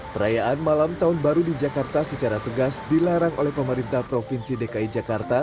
perayaan malam tahun baru di jakarta secara tegas dilarang oleh pemerintah provinsi dki jakarta